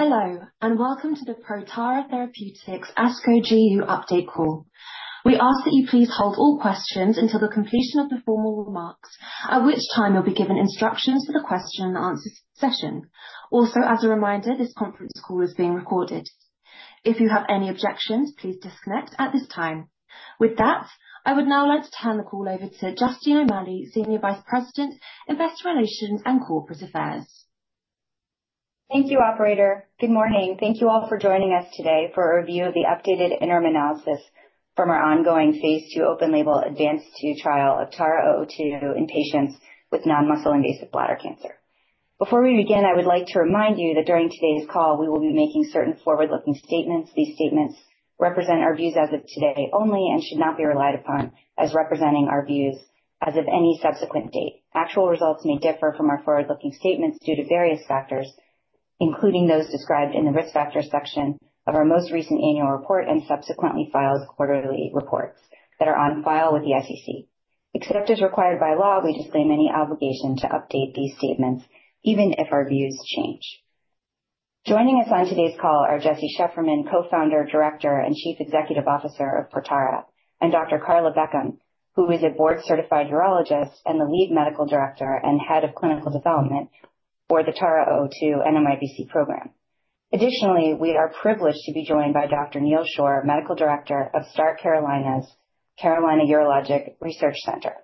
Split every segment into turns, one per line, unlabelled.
Hello, welcome to the Protara Therapeutics ASCO GU Update Call. We ask that you please hold all questions until the completion of the formal remarks, at which time you'll be given instructions for the question and answer session. As a reminder, this conference call is being recorded. If you have any objections, please disconnect at this time. With that, I would now like to turn the call over to Justine O'Malley, Senior Vice President, Investor Relations and Corporate Affairs.
Thank you, operator. Good morning. Thank you all for joining us today for a review of the updated interim analysis from our ongoing phase II open label ADVANCED-2 trial of TARA-002 in patients with non-muscle invasive bladder cancer. Before we begin, I would like to remind you that during today's call, we will be making certain forward-looking statements. These statements represent our views as of today only, and should not be relied upon as representing our views as of any subsequent date. Actual results may differ from our forward-looking statements due to various factors, including those described in the Risk Factors section of our most recent annual report, and subsequently filed quarterly reports that are on file with the SEC. Except as required by law, we disclaim any obligation to update these statements, even if our views change. Joining us on today's call are Jesse Shefferman, Co-founder, Director, and Chief Executive Officer of Protara, and Dr. Carla Beckham, who is a board-certified urologist and the Lead Medical Director and Head of Clinical Development for the TARA-002 NMIBC program. Additionally, we are privileged to be joined by Dr. Neal Shore, Medical Director of START Carolinas' Carolina Urologic Research Center.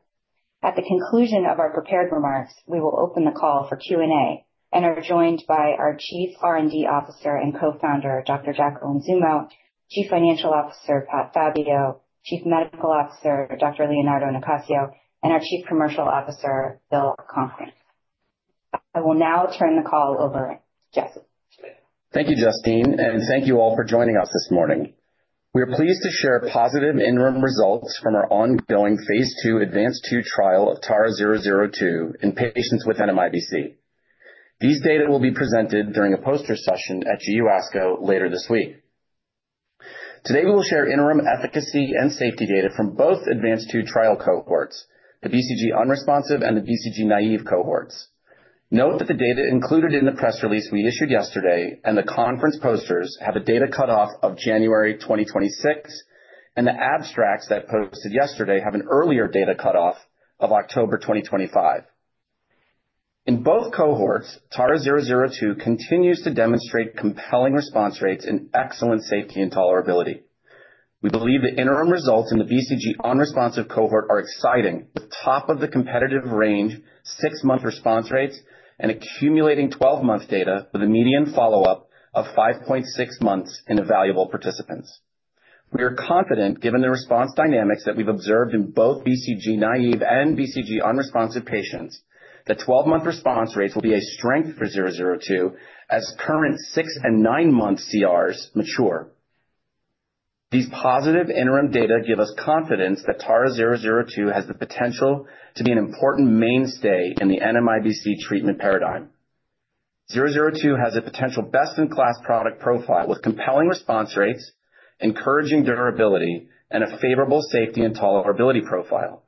At the conclusion of our prepared remarks, we will open the call for Q&A and are joined by our Chief R&D Officer and Co-founder, Dr. Jacqueline Zummo, Chief Financial Officer, Patrick Fabbio, Chief Medical Officer, Dr. Leonardo Nicacio, and our Chief Commercial Officer, William Conkling. I will now turn the call over to Jesse.
Thank you, Justine, and thank you all for joining us this morning. We are pleased to share positive interim results from our ongoing phase II ADVANCED-2 trial of TARA-002 in patients with NMIBC. These data will be presented during a poster session at ASCO GU later this week. Today, we will share interim efficacy and safety data from both ADVANCED-2 trial cohorts, the BCG-unresponsive and the BCG-naïve cohorts. Note that the data included in the press release we issued yesterday and the conference posters have a data cutoff of January 2026, and the abstracts I posted yesterday have an earlier data cutoff of October 2025. In both cohorts, TARA-002 continues to demonstrate compelling response rates and excellent safety and tolerability. We believe the interim results in the BCG-unresponsive cohort are exciting, with top of the competitive range, six-month response rates and accumulating 12-month data, with a median follow-up of 5.6 months in evaluable participants. We are confident, given the response dynamics that we've observed in both BCG-naïve and BCG-unresponsive patients, that 12-month response rates will be a strength for 002, as current six and nine-month CRs mature. These positive interim data give us confidence that TARA-002 has the potential to be an important mainstay in the NMIBC treatment paradigm. 002 has a potential best-in-class product profile with compelling response rates, encouraging durability, and a favorable safety and tolerability profile.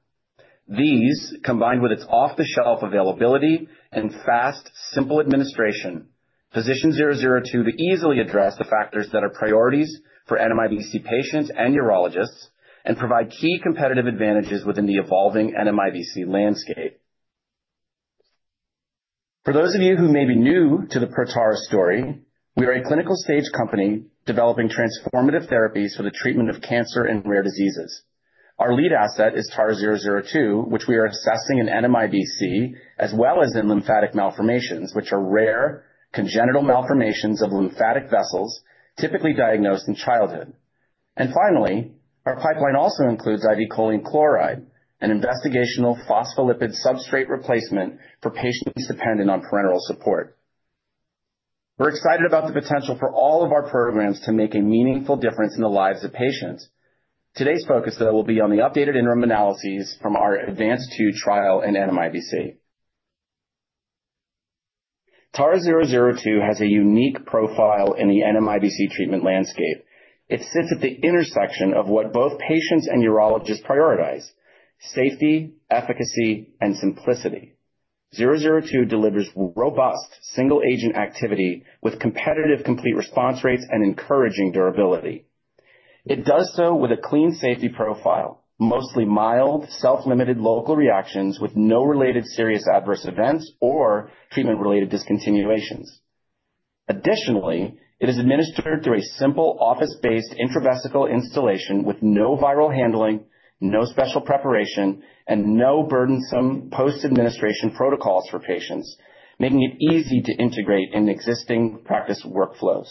These, combined with its off-the-shelf availability and fast, simple administration, position 002 to easily address the factors that are priorities for NMIBC patients and urologists and provide key competitive advantages within the evolving NMIBC landscape. For those of you who may be new to the Protara story, we are a clinical-stage company developing transformative therapies for the treatment of cancer and rare diseases. Our lead asset is TARA-002, which we are assessing in NMIBC, as well as in lymphatic malformations, which are rare congenital malformations of lymphatic vessels, typically diagnosed in childhood. Finally, our pipeline also includes IV Choline Chloride, an investigational phospholipid substrate replacement for patients dependent on parenteral support. We're excited about the potential for all of our programs to make a meaningful difference in the lives of patients. Today's focus, though, will be on the updated interim analyses from our ADVANCED-2 trial in NMIBC. TARA-002 has a unique profile in the NMIBC treatment landscape. It sits at the intersection of what both patients and urologists prioritize: safety, efficacy, and simplicity. 002 delivers robust single-agent activity with competitive, complete response rates and encouraging durability. It does so with a clean safety profile, mostly mild, self-limited local reactions with no related serious adverse events or treatment-related discontinuations. It is administered through a simple, office-based intravesical installation with no viral handling, no special preparation, and no burdensome post-administration protocols for patients, making it easy to integrate in existing practice workflows.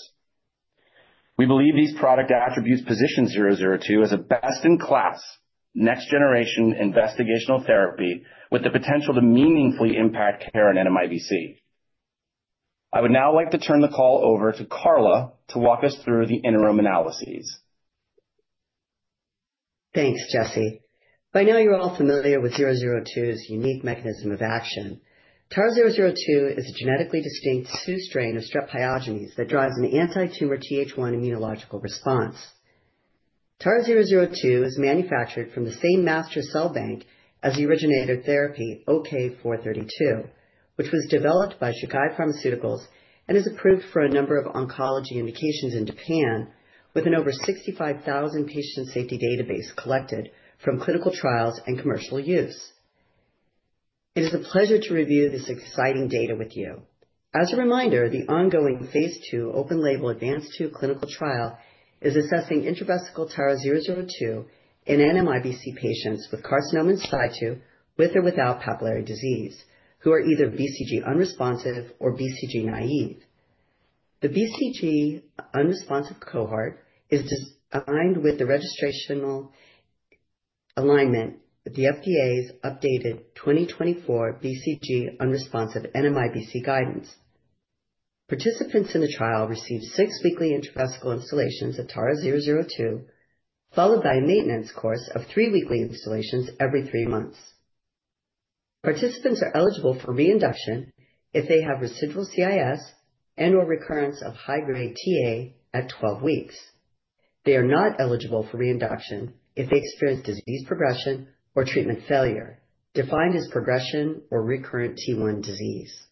We believe these product attributes position 002 as a best-in-class, next-generation investigational therapy with the potential to meaningfully impact care in NMIBC. I would now like to turn the call over to Carla to walk us through the interim analyses.
Thanks, Jesse. By now, you're all familiar with 002's unique mechanism of action. TARA-002 is a genetically distinct two strain of Streptococcus pyogenes that drives an anti-tumor TH1 immunological response. TARA-002 is manufactured from the same master cell bank as the originator therapy, OK-432, which was developed by Chugai Pharmaceuticals and is approved for a number of oncology indications in Japan, with an over 65,000 patient safety database collected from clinical trials and commercial use. It is a pleasure to review this exciting data with you. As a reminder, the ongoing phase II open label ADVANCED-2 clinical trial is assessing intravesical TARA-002 in NMIBC patients with carcinoma in situ, with or without papillary disease, who are either BCG-unresponsive or BCG-naïve. The BCG-unresponsive cohort is designed with the registrational alignment with the FDA's updated 2024 BCG-unresponsive NMIBC guidance. Participants in the trial received six weekly intravesical installations of TARA-002, followed by a maintenance course of three weekly installations every three months. Participants are eligible for reinduction if they have residual CIS and/or recurrence of high-grade Ta at 12 weeks. They are not eligible for reinduction if they experience disease progression or treatment failure, defined as progression or recurrent T1 disease.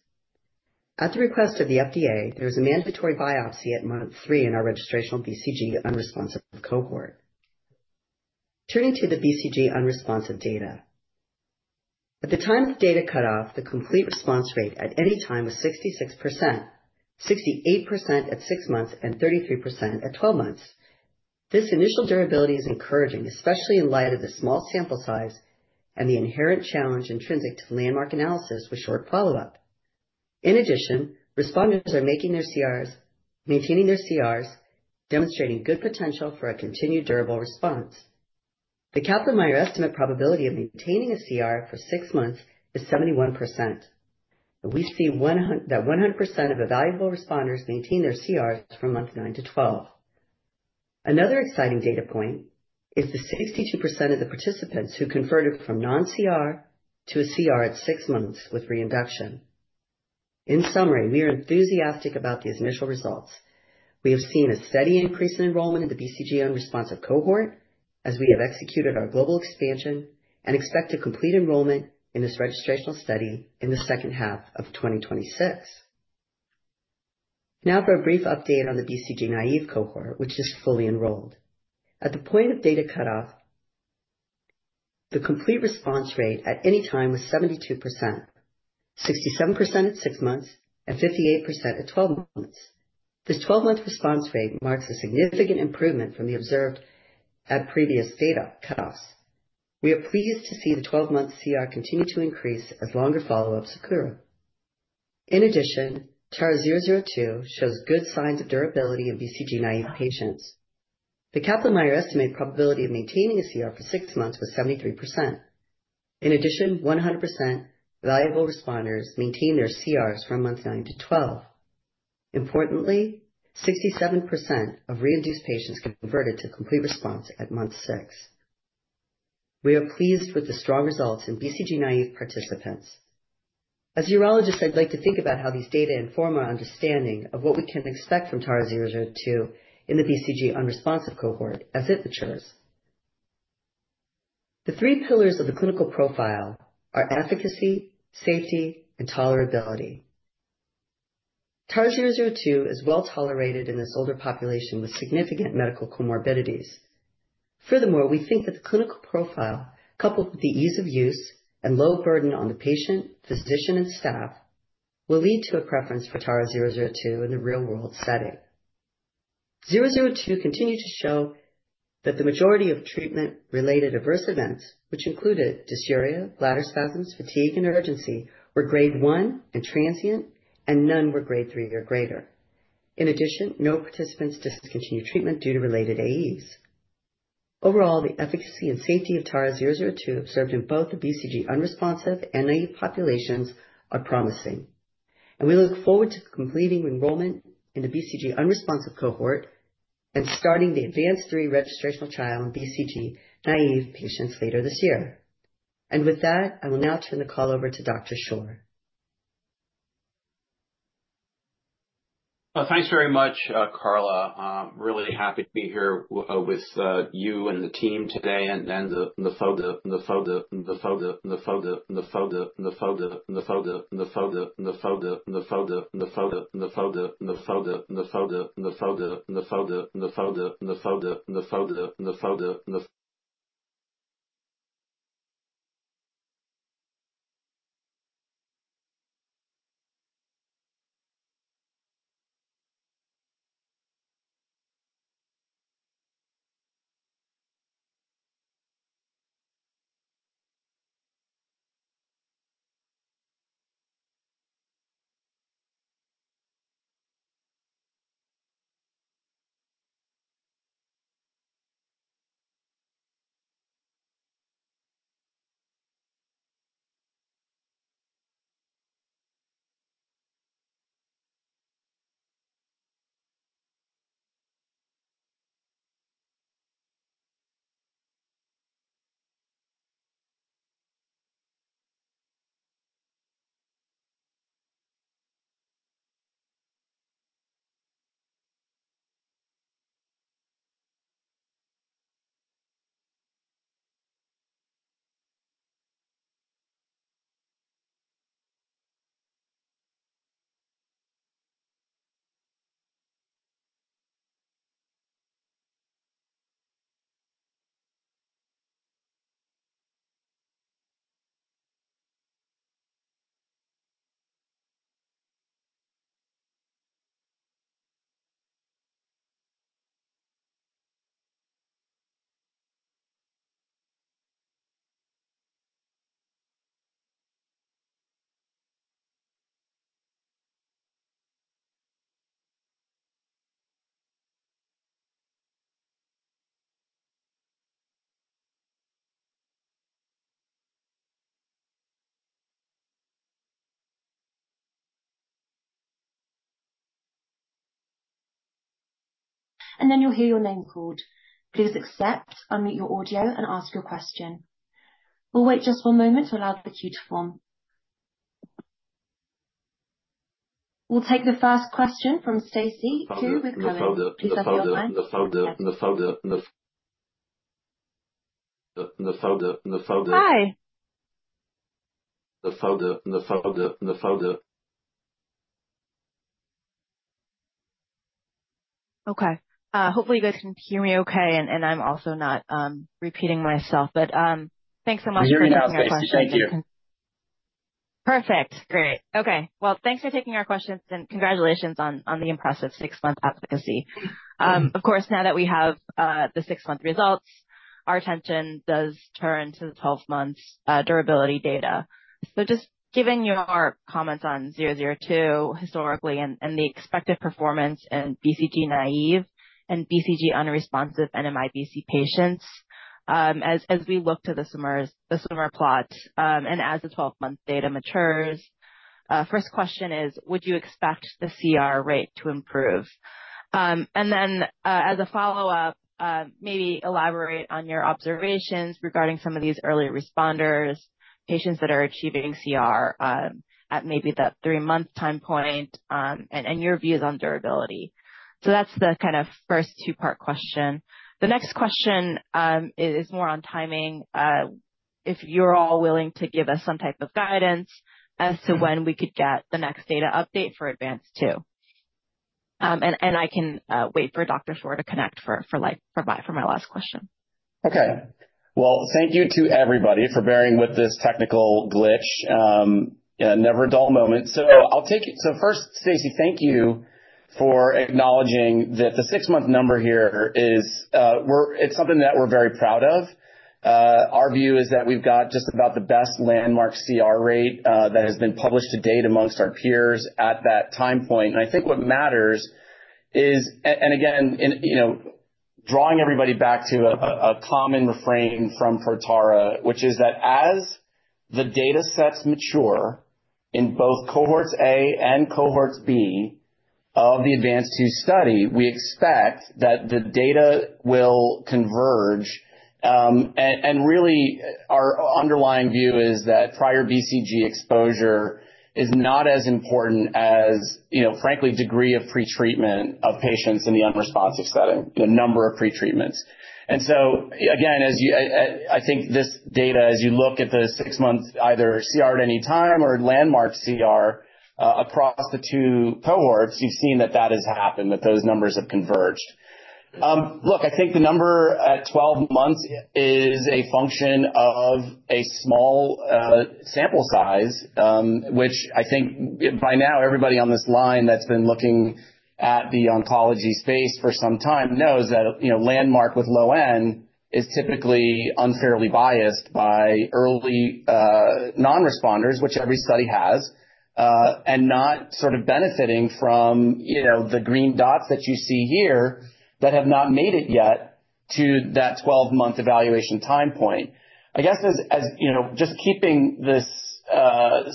At the request of the FDA, there is a mandatory biopsy at month three in our registrational BCG-unresponsive cohort. Turning to the BCG-unresponsive data. At the time of data cutoff, the complete response rate at any time was 66%, 68% at six months, and 33% at 12 months. This initial durability is encouraging, especially in light of the small sample size and the inherent challenge intrinsic to the landmark analysis with short follow-up. In addition, responders are making their CRs, maintaining their CRs, demonstrating good potential for a continued durable response. The Kaplan-Meier estimate probability of maintaining a CR for six months is 71%, we see 100% of evaluable responders maintain their CRs from month nine to 12. Another exciting data point is the 62% of the participants who converted from non-CR to a CR at six months with reinduction. In summary, we are enthusiastic about these initial results. We have seen a steady increase in enrollment in the BCG-unresponsive cohort as we have executed our global expansion and expect to complete enrollment in this registrational study in the second half of 2026. For a brief update on the BCG-naïve cohort, which is fully enrolled. At the point of data cutoff, the complete response rate at any time was 72%, 67% at six months and 58% at 12 months. This 12-month response rate marks a significant improvement from the observed at previous data cutoffs. We are pleased to see the 12-month CR continue to increase as longer follow-ups occur. In addition, TARA-002 shows good signs of durability in BCG-naïve patients. The Kaplan-Meier estimated probability of maintaining a CR for six months was 73%. In addition, 100% evaluable responders maintained their CRs from month nine to 12. Importantly, 67% of reinduced patients converted to complete response at month six. We are pleased with the strong results in BCG-naïve participants. As urologists, I'd like to think about how these data inform our understanding of what we can expect from TARA-002 in the BCG-unresponsive cohort as it matures. The three pillars of the clinical profile are efficacy, safety, and tolerability. TARA-002 is well tolerated in this older population with significant medical comorbidities. Furthermore, we think that the clinical profile, coupled with the ease of use and low burden on the patient, physician, and staff, will lead to a preference for TARA-002 in a real-world setting. TARA-002 continued to show that the majority of treatment-related adverse events, which included dysuria, bladder spasms, fatigue, and urgency, were grade one and transient, and none were grade three or greater. In addition, no participants discontinued treatment due to related AEs. Overall, the efficacy and safety of TARA-002 observed in both the BCG-unresponsive and naïve populations are promising, and we look forward to completing enrollment in the BCG-unresponsive cohort and starting the ADVANCED-3 registrational trial in BCG-naïve patients later this year. With that, I will now turn the call over to Dr. Shore.
Thanks very much, Carla. I'm really happy to be here, with you and the team today and the
Then you'll hear your name called. Please accept, unmute your audio, and ask your question. We'll wait just one moment to allow the queue to form. We'll take the first question from Stacy Ku with Cowen. Is that your line?
Hi. Okay. Hopefully, you guys can hear me okay, and I'm also not repeating myself. Thanks so much for taking our question.
You're hear me now, Stacy. Thank you.
Perfect. Great. Okay, well, thanks for taking our questions, and congratulations on the impressive six-month efficacy. Of course, now that we have the six-month results, our attention does turn to the 12 months durability data. Just given your comments on 002 historically, and the expected performance in BCG-naïve and BCG-unresponsive NMIBC patients, as we look to the summer plot, and as the 12-month data matures, first question is, would you expect the CR rate to improve? Then, as a follow-up, maybe elaborate on your observations regarding some of these early responders, patients that are achieving CR, at maybe the three-month time point, and your views on durability. That's the kind of first two-part question. The next question is more on timing. If you're all willing to give us some type of guidance as to when we could get the next data update for ADVANCED-2. I can wait for Dr. Shore to connect for my last question.
Okay. Well, thank you to everybody for bearing with this technical glitch. Yeah, never a dull moment. I'll take it. First, Stacy, thank you for acknowledging that the six-month number here is it's something that we're very proud of. Our view is that we've got just about the best landmark CR rate that has been published to date amongst our peers at that time point. And I think what matters is... And again, and, you know, drawing everybody back to a common refrain from Protara, which is that as the data sets mature in both Cohort A and Cohort B of the ADVANCED-2 study, we expect that the data will converge. Really, our underlying view is that prior BCG exposure is not as important as, you know, frankly, degree of pre-treatment of patients in the unresponsive setting, the number of pretreatments. Again, as you, I think this data, as you look at the six months, either CR at any time or landmark CR, across the two cohorts, you've seen that has happened, that those numbers have converged. Look, I think the number at 12 months is a function of a small sample size, which I think by now, everybody on this line that's been looking at the oncology space for some time knows that, you know, landmark with low N is typically unfairly biased by early non-responders, which every study has, and not sort of benefiting from, you know, the green dots that you see here that have not made it yet to that 12-month evaluation time point. I guess, as, you know, just keeping this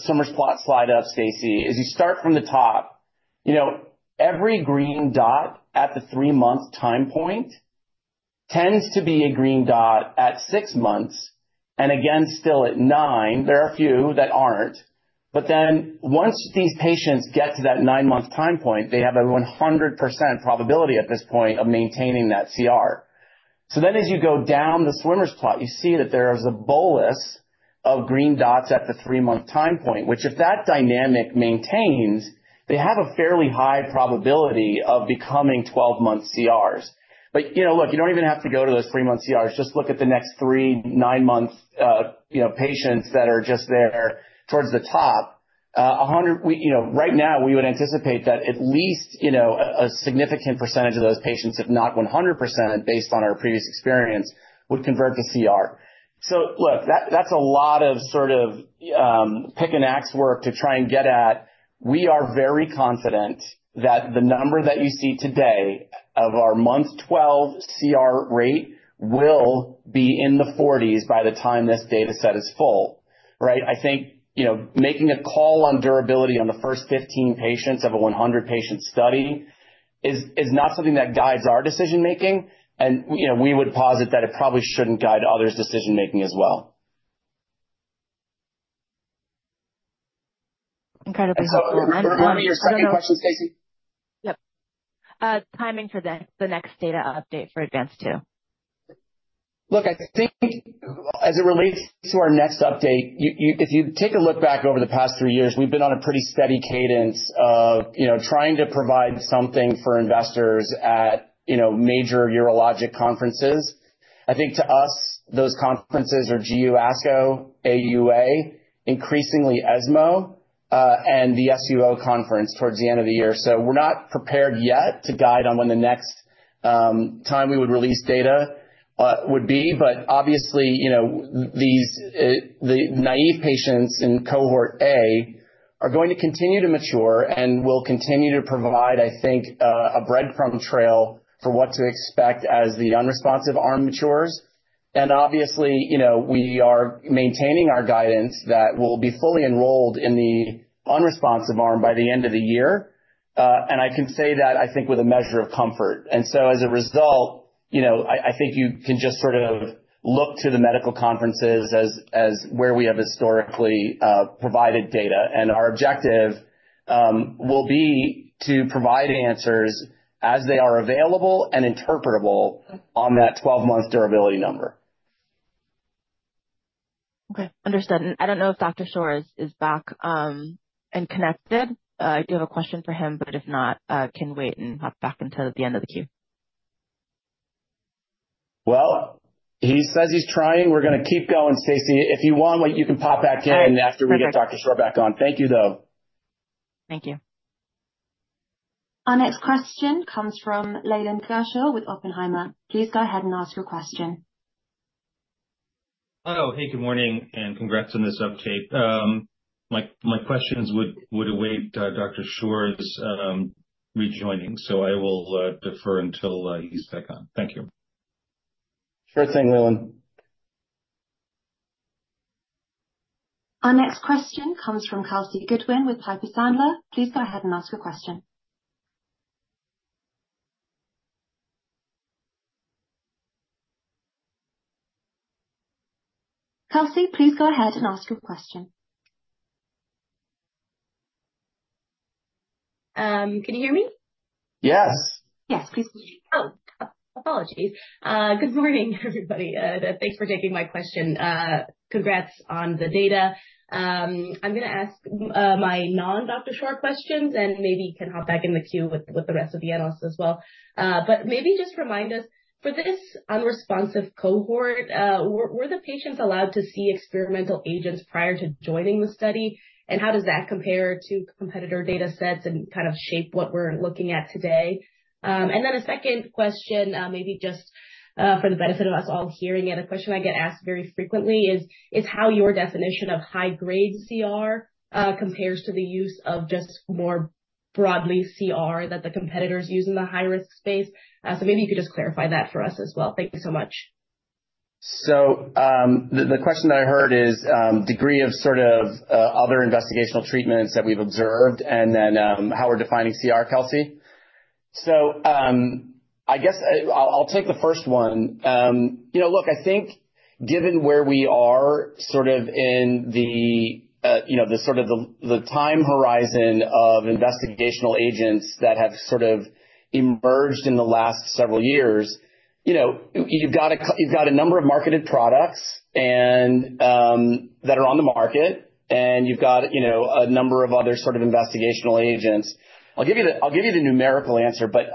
swimmers plot slide up, Stacy, as you start from the top, you know, every green dot at the three-month time point tends to be a green dot at six months, and again, still at nine. There are a few that aren't. Once these patients get to that nine-month time point, they have a 100% probability at this point of maintaining that CR. As you go down the swimmers plot, you see that there is a bolus of green dots at the three-month time point, which if that dynamic maintains, they have a fairly high probability of becoming 12-month CRs. You know, look, you don't even have to go to those three-month CRs. Just look at the next three, nine months, you know, patients that are just there towards the top. We, you know, right now, we would anticipate that at least, you know, a significant percentage of those patients, if not 100%, and based on our previous experience, would convert to CR. That's a lot of sort of, pick an ax work to try and get at. We are very confident that the number that you see today of our month 12 CR rate will be in the 40s by the time this data set is full, right. I think, you know, making a call on durability on the first 15 patients of a 100 patient study is not something that guides our decision making, and, you know, we would posit that it probably shouldn't guide others' decision making as well.
Incredibly helpful.
Remind me your second question, Stacy?
Yep. timing for the next data update for ADVANCED-2.
Look, I think as it relates to our next update, you if you take a look back over the past three years, we've been on a pretty steady cadence of, you know, trying to provide something for investors at, you know, major urologic conferences. I think to us, those conferences are GU ASCO, AUA, increasingly ESMO, and the SUO conference towards the end of the year. We're not prepared yet to guide on when the next time we would release data would be. Obviously, you know, these the naive patients in Cohort A are going to continue to mature and will continue to provide, I think, a breadcrumb trail for what to expect as the unresponsive arm matures. Obviously, you know, we are maintaining our guidance that we'll be fully enrolled in the unresponsive arm by the end of the year. I can say that I think with a measure of comfort. As a result, you know, I think you can just sort of look to the medical conferences as where we have historically provided data. Our objective will be to provide answers as they are available and interpretable on that 12-month durability number.
Okay, understood. I don't know if Dr. Shore is back and connected. I do have a question for him, but if not, can wait and hop back until the end of the queue.
Well, he says he's trying. We're going to keep going, Stacy, if you want, but you can pop back in after we get Dr. Shore back on. Thank you, though.
Thank you.
Our next question comes from Leland Gershell with Oppenheimer. Please go ahead and ask your question.
Hello. Hey, good morning, and congrats on this update. My questions would await Dr. Shore's rejoining, so I will defer until he's back on. Thank you.
Sure thing, Leland.
Our next question comes from Kelsey Goodwin with Piper Sandler. Please go ahead and ask your question. Kelsey, please go ahead and ask your question.
Can you hear me?
Yes.
Yes, please.
Apologies. Good morning, everybody. Thanks for taking my question. Congrats on the data. I'm gonna ask my non-Dr. Shore questions, and maybe he can hop back in the queue with the rest of the analysts as well. Maybe just remind us, for this unresponsive cohort, were the patients allowed to see experimental agents prior to joining the study? How does that compare to competitor data sets and kind of shape what we're looking at today? Then a second question, maybe just for the benefit of us all hearing it, a question I get asked very frequently is how your definition of high-grade CR compares to the use of just more broadly CR that the competitors use in the high-risk space. Maybe you could just clarify that for us as well. Thank you so much.
The question that I heard is degree of sort of other investigational treatments that we've observed and then how we're defining CR, Kelsey? I guess I'll take the first one. You know, look, I think given where we are sort of in the, you know, the sort of the time horizon of investigational agents that have sort of emerged in the last several years, you know, you've got a number of marketed products and that are on the market, and you've got, you know, a number of other sort of investigational agents. I'll give you the, I'll give you the numerical answer, but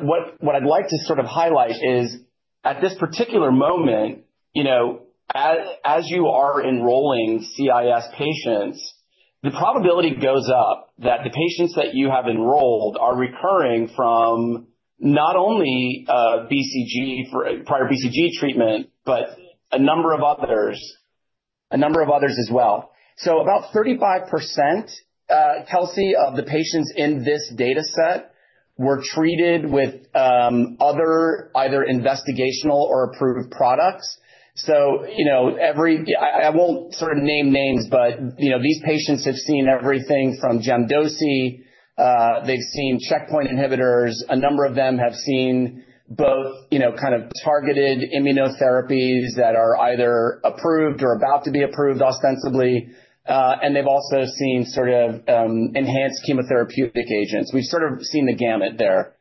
what I'd like to sort of highlight is, at this particular moment, you know, as you are enrolling CIS patients, the probability goes up that the patients that you have enrolled are recurring from not only, prior BCG treatment, but a number of others, a number of others as well. About 35%, Kelsey, of the patients in this data set were treated with other either investigational or approved products. You know, I won't sort of name names, but, you know, these patients have seen everything from JELMYTO, they've seen checkpoint inhibitors. A number of them have seen both, you know, kind of targeted immunotherapies that are either approved or about to be approved, ostensibly. They've also seen sort of enhanced chemotherapeutic agents. We've sort of seen the gamut there.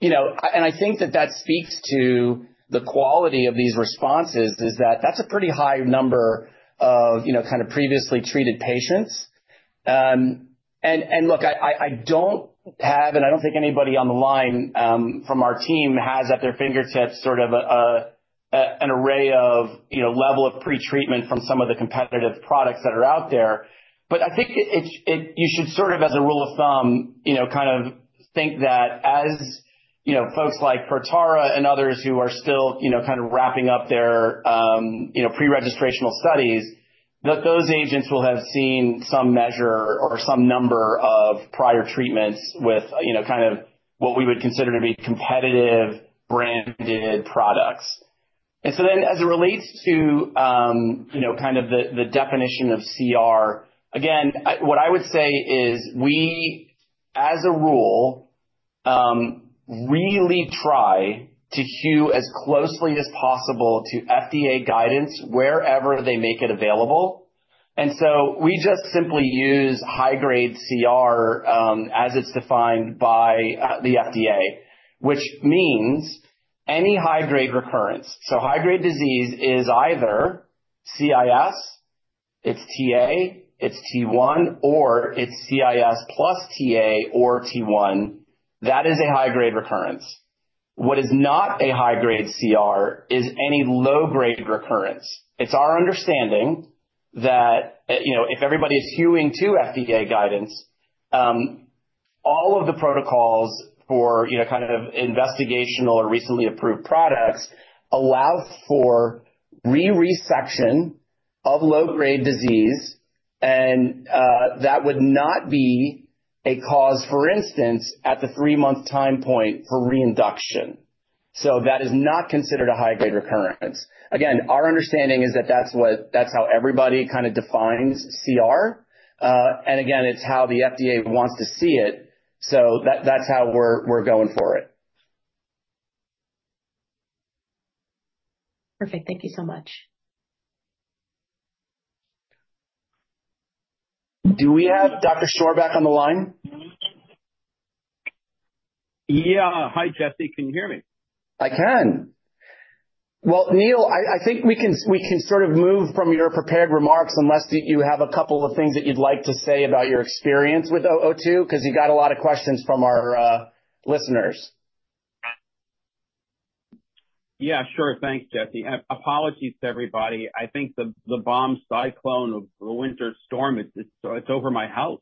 You know, I think that that speaks to the quality of these responses, is that that's a pretty high number of, you know, kind of previously treated patients. Look, I don't have, and I don't think anybody on the line from our team has at their fingertips sort of an array of, you know, level of pretreatment from some of the competitive products that are out there. I think it, you should sort of, as a rule of thumb, you know, kind of think that as, you know, folks like Protara and others who are still, you know, kind of wrapping up their, you know, pre-registrational studies, that those agents will have seen some measure or some number of prior treatments with, you know, kind of what we would consider to be competitive branded products. As it relates to, you know, kind of the definition of CR, again, What I would say is we, as a rule, really try to hew as closely as possible to FDA guidance wherever they make it available. We just simply use high-grade CR, as it's defined by the FDA, which means any high-grade recurrence. High-grade disease is either CIS, it's TA, it's T1, or it's CIS plus TA or T1. That is a high-grade recurrence. What is not a high-grade CR is any low-grade recurrence. It's our understanding that, you know, if everybody is hewing to FDA guidance, all of the protocols for, you know, kind of investigational or recently approved products allow for re-resection of low-grade disease, and that would not be a cause, for instance, at the three-month time point for reinduction. That is not considered a high-grade recurrence. Again, our understanding is that that's how everybody kind of defines CR. Again, it's how the FDA wants to see it, so that's how we're going for it.
Perfect. Thank you so much.
Do we have Dr. Shore back on the line?
Yeah. Hi, Jesse. Can you hear me?
I can. Well, Neal, I think we can sort of move from your prepared remarks, unless you have a couple of things that you'd like to say about your experience with TARA-002, because you got a lot of questions from our listeners.
Yeah, sure. Thanks, Jesse, and apologies to everybody. I think the bomb cyclone of the winter storm is, it's over my house.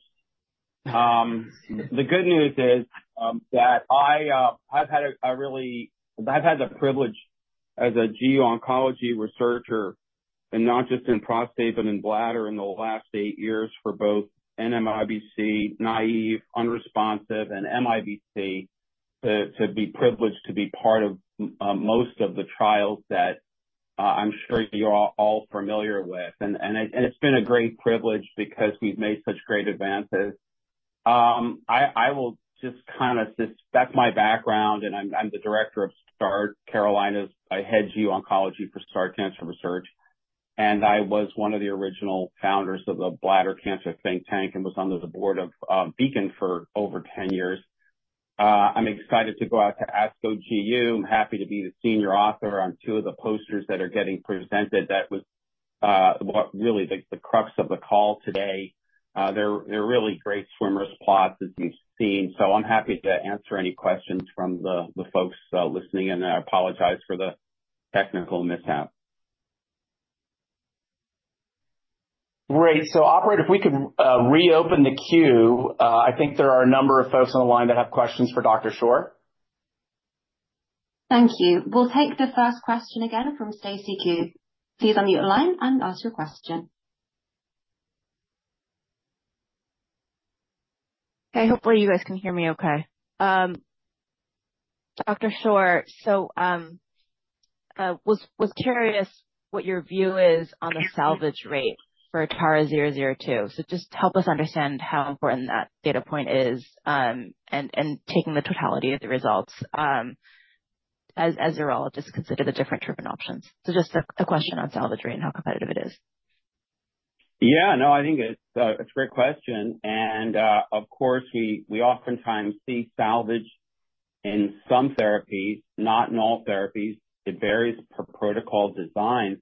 The good news is that I've had the privilege as a GU oncology researcher and not just in prostate, but in bladder in the last eight years for both NMIBC, BCG-naïve, BCG-unresponsive, and MIBC, to be privileged to be part of most of the trials that I'm sure you're all familiar with. It's been a great privilege because we've made such great advances. I will just kind of suspect my background, and I'm the Director of START Carolinas. I head GU Oncology for START Cancer Research, and I was one of the original founders of the Bladder Cancer Think Tank, and was on the board of Beacon for over 10 years. I'm excited to go out to ASCO GU. I'm happy to be the senior author on two of the posters that are getting presented. That was what really the crux of the call today. They're really great swimmers plots, as we've seen. I'm happy to answer any questions from the folks listening in, and I apologize for the technical mishap.
Great. Operator, if we could reopen the queue, I think there are a number of folks on the line that have questions for Dr. Shore.
Thank you. We'll take the first question again from Stacy Ku. Please unmute the line and ask your question.
Hey, hopefully you guys can hear me okay. Dr. Shore, was curious what your view is on the salvage rate for TARA-002. Just help us understand how important that data point is, and taking the totality of the results, as urologist consider the different treatment options. Just a question on salvage rate and how competitive it is.
No, I think it's a great question, of course, we oftentimes see salvage in some therapies, not in all therapies. It varies per protocol design.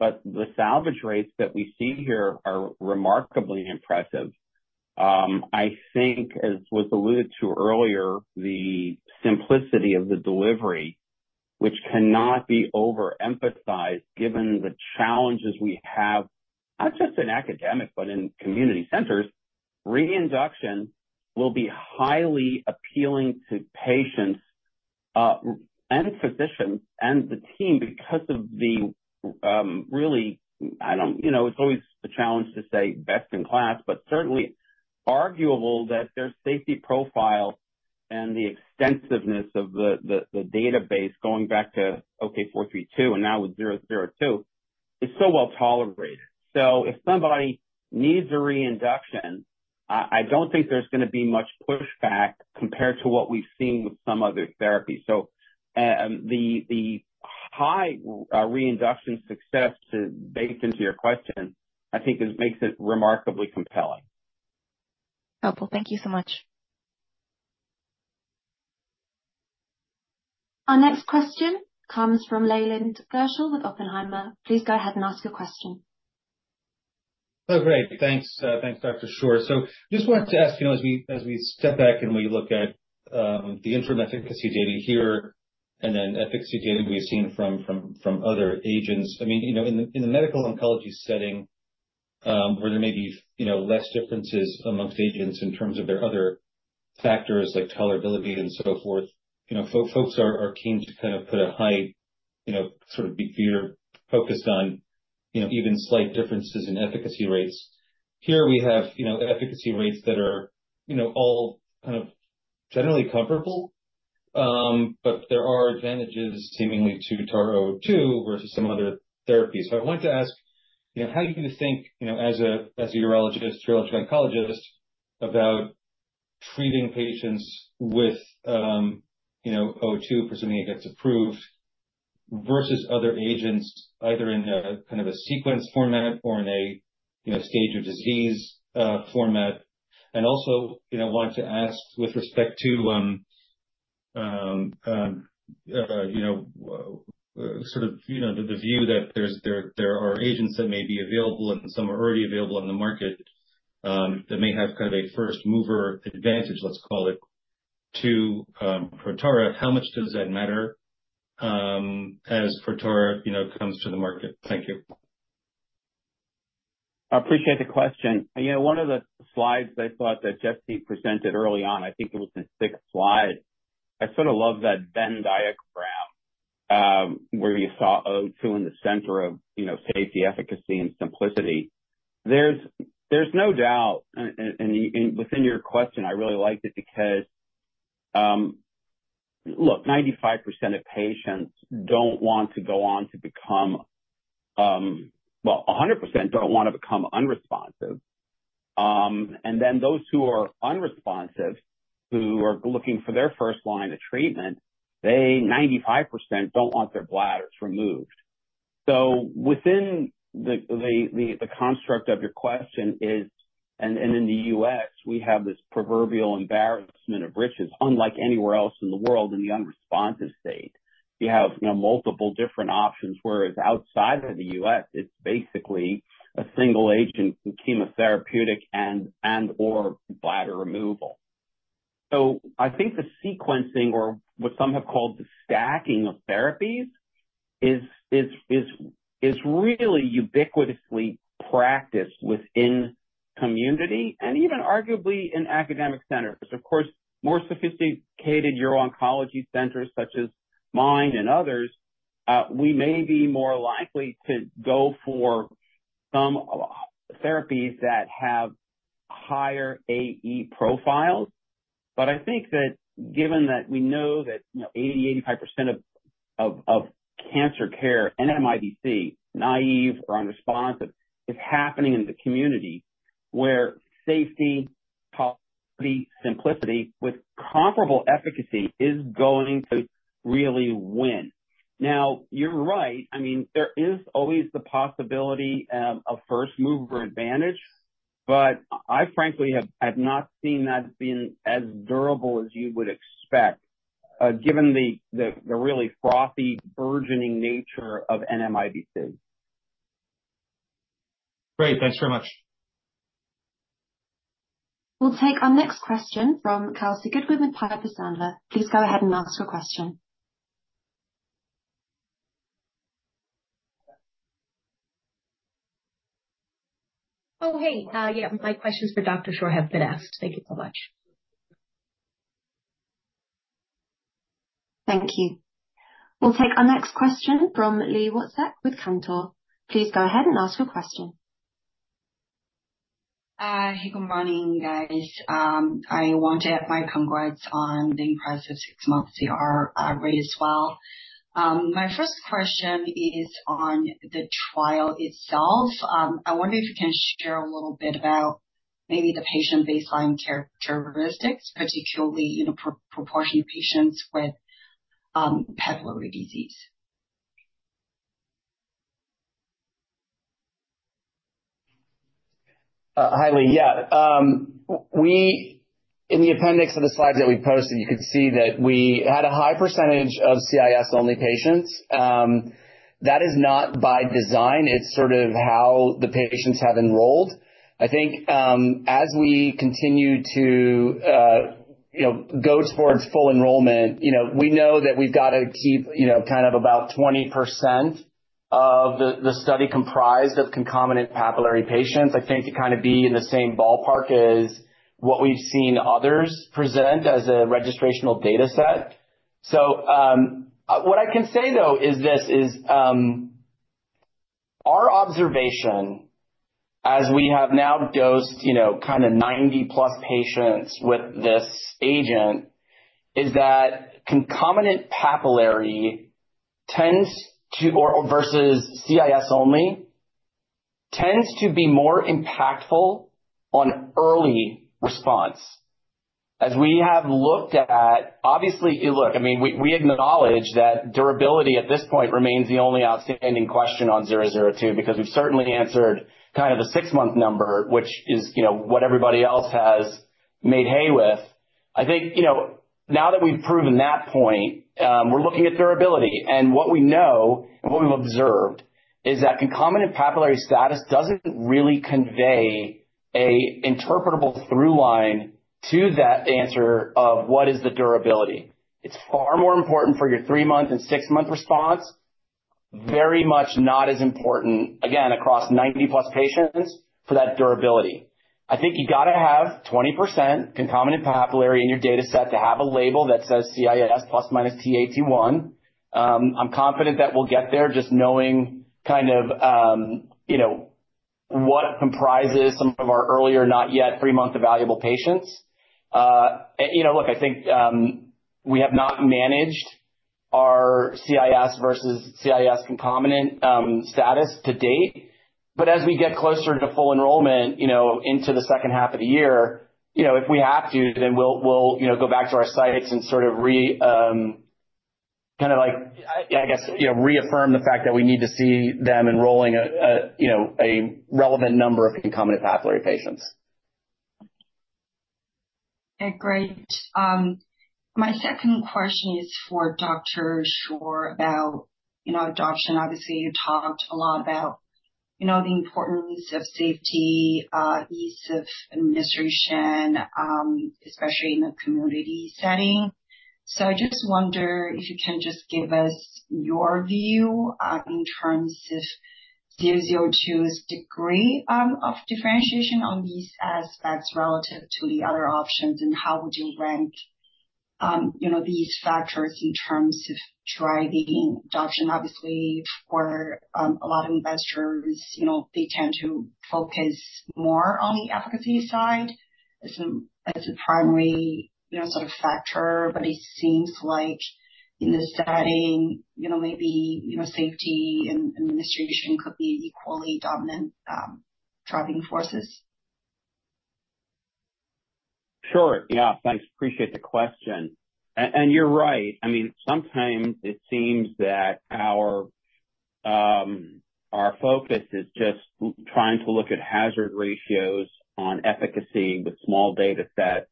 The salvage rates that we see here are remarkably impressive. I think, as was alluded to earlier, the simplicity of the delivery, which cannot be overemphasized, given the challenges we have not just in academic but in community centers, reinduction will be highly appealing to patients and physicians and the team because of the, really, you know, it's always a challenge to say best in class, certainly arguable that their safety profile and the extensiveness of the database going back to OK-432 and now with TARA-002, is so well tolerated. If somebody needs a reinduction, I don't think there's going to be much pushback compared to what we've seen with some other therapies. The high reinduction success to bake into your question, I think it makes it remarkably compelling.
Helpful. Thank you so much.
Our next question comes from Leland Gershell with Oppenheimer. Please go ahead and ask your question.
Oh, great. Thanks. Thanks, Dr. Shore. Just wanted to ask, you know, as we, as we step back and we look at the interim efficacy data here and then efficacy data we've seen from other agents, I mean, you know, in the, in the medical oncology setting, where there may be, you know, less differences amongst agents in terms of their other factors like tolerability and so forth, you know, folks are keen to kind of put a high, you know, sort of bigger focus on, you know, even slight differences in efficacy rates. Here we have, you know, efficacy rates that are, you know, all kind of generally comparable. There are advantages seemingly to TARA-002 versus some other therapies. I wanted to ask, you know, how you can think, you know, as a urologist, urologic oncologist, about treating patients with, you know, O two, presuming it gets approved, versus other agents, either in a kind of a sequence format or in a, you know, stage of disease format. Also, you know, wanted to ask with respect to, you know, sort of, you know, the view that there are agents that may be available and some are already available on the market, that may have kind of a first mover advantage, let's call it, to for TARA. How much does that matter as for TARA, you know, comes to the market? Thank you.
I appreciate the question. You know, one of the slides I thought that Jesse presented early on, I think it was the sixth slide. I sort of love that Venn diagram, where you saw O two in the center of, you know, safety, efficacy, and simplicity. There's no doubt, and within your question, I really liked it because, look, 95% of patients don't want to go on to become Well, 100% don't want to become unresponsive. Then those who are unresponsive, who are looking for their first line of treatment, they, 95% don't want their bladders removed. Within the construct of your question is, in the U.S., we have this proverbial embarrassment of riches, unlike anywhere else in the world in the unresponsive state. You have, you know, multiple different options, whereas outside of the U.S. it's basically a single agent, chemotherapeutic and/or bladder removal. I think the sequencing or what some have called the stacking of therapies is really ubiquitously practiced within community and even arguably in academic centers. Of course, more sophisticated uro-oncology centers such as mine and others, we may be more likely to go for some therapies that have higher AE profiles. I think that given that we know that, you know, 80%-85% of cancer care, NMIBC, BCG-naïve or BCG-unresponsive, is happening in the community, where safety, quality, simplicity, with comparable efficacy is going to really win. You're right. I mean, there is always the possibility of first mover advantage, but I frankly have not seen that being as durable as you would expect, given the really frothy, burgeoning nature of NMIBC.
Great. Thanks very much.
We'll take our next question from Kelsey Goodwin with Piper Sandler. Please go ahead and ask your question.
Oh, hey. Yeah, my questions for Dr. Shore have been asked. Thank you so much.
Thank you. We'll take our next question from Li Watsek with Cantor. Please go ahead and ask your question.
Hey, good morning, guys. I want to add my congrats on the impressive six-month CR rate as well. My first question is on the trial itself. I wonder if you can share a little bit about maybe the patient baseline characteristics, particularly, you know, proportion of patients with papillary disease.
Hi, Li. Yeah. In the appendix of the slides that we posted, you could see that we had a high percentage of CIS-only patients. That is not by design. It's sort of how the patients have enrolled. I think, as we continue to, you know, go towards full enrollment, you know, we know that we've got to keep, you know, kind of about 20% of the study comprised of concomitant papillary patients, I think, to kind of be in the same ballpark as what we've seen others present as a registrational data set. What I can say, though, is this, is, our observation, as we have now dosed, you know, kind of 90+ patients with this agent, is that concomitant papillary tends to, or versus CIS only, tends to be more impactful on early response. Obviously, look, I mean, we acknowledge that durability at this point remains the only outstanding question on 002, because we've certainly answered kind of the six-month number, which is, you know, what everybody else has made hay with. I think, you know, now that we've proven that point, we're looking at durability. What we know and what we've observed is that concomitant papillary status doesn't really convey a interpretable through line to that answer of what is the durability. It's far more important for your three-month and six-month response. Very much not as important, again, across 90+ patients, for that durability. I think you got to have 20% concomitant papillary in your data set to have a label that says CIS plus minus Ta, T1. I'm confident that we'll get there, just knowing kind of, you know, what comprises some of our earlier, not yet three-month evaluable patients. you know, look, I think, we have not managed our CIS versus CIS concomitant status to date, but as we get closer to full enrollment, you know, into the second half of the year, you know, if we have to, then we'll, you know, go back to our sites and sort of reaffirm the fact that we need to see them enrolling a relevant number of concomitant pathway patients.
Great. My second question is for Dr. Shore about, you know, adoption. You talked a lot about, you know, the importance of safety, ease of administration, especially in a community setting. I just wonder if you can just give us your view in terms of 002's degree of differentiation on these aspects relative to the other options, and how would you rank, you know, these factors in terms of driving adoption? For a lot of investors, you know, they tend to focus more on the efficacy side as a, as a primary, you know, sort of factor. It seems like in this setting, you know, maybe, you know, safety and administration could be equally dominant driving forces.
Sure. Yeah, thanks. Appreciate the question. You're right. I mean, sometimes it seems that our focus is just trying to look at hazard ratios on efficacy with small data sets.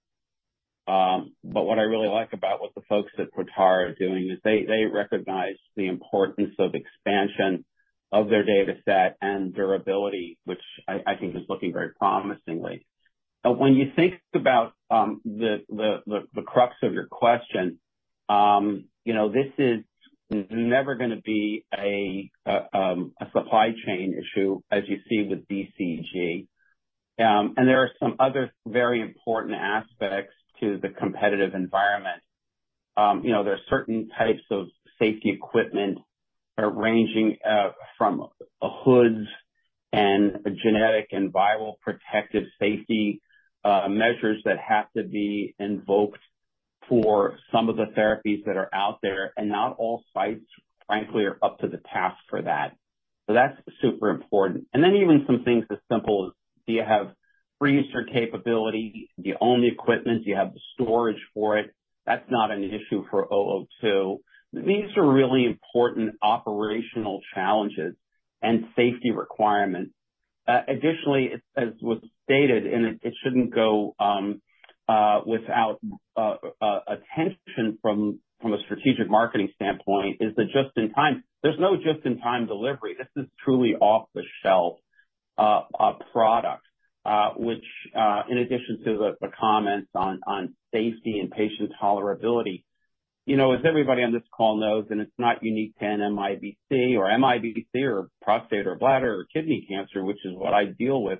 What I really like about what the folks at Protara are doing is they recognize the importance of expansion of their data set and durability, which I think is looking very promisingly. When you think about the crux of your question, you know, this is never gonna be a supply chain issue, as you see with BCG. There are some other very important aspects to the competitive environment. You know, there are certain types of safety equipment ranging from hoods and genetic and viral protective safety measures that have to be invoked for some of the therapies that are out there, and not all sites, frankly, are up to the task for that. That's super important. Then even some things as simple as, do you have freezer capability? Do you own the equipment? Do you have the storage for it? That's not an issue for 002. These are really important operational challenges and safety requirements. Additionally, as was stated, it shouldn't go without a tension from a strategic marketing standpoint, is the just-in-time. There's no just-in-time delivery. This is truly off-the-shelf product, which, in addition to the comments on safety and patient tolerability, you know, as everybody on this call knows, and it's not unique to MIBC or prostate or bladder or kidney cancer, which is what I deal with.